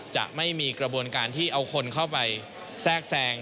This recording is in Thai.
จะไม่มีกระบวนการที่เอาคนเข้าไปแทรกแทรง